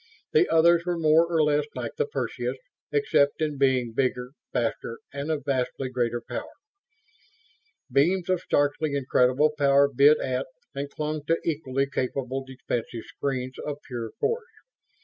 The others were more or less like the Perseus, except in being bigger, faster and of vastly greater power. Beams of starkly incredible power bit at and clung to equally capable defensive screens of pure force.